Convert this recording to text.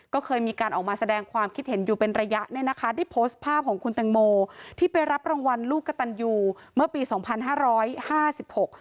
ก็เคยมีการออกมาแสดงความคิดเห็นอยู่เป็นระยะเนี่ยนะคะได้โพสต์ภาพของคุณแตงโมที่ไปรับรางวัลลูกกระตันยูเมื่อปีสองพันห้าร้อยห้าสิบหก